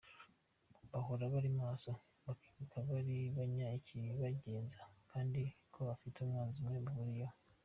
Bahora bari maso, bakibuka buri kanya ikibagenza, kandi ko bafite umwanzi umwe bahuriyeho.